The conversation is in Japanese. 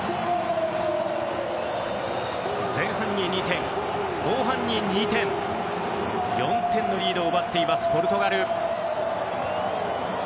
前半に２点後半に２点と４点のリードを奪っていますポルトガル。